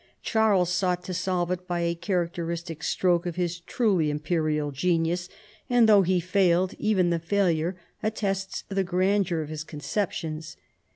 Charles sought to solve it by a characteristic stroke of his truly imperial genius, and though he failed, even the failure attests the grandeur of his conceptions.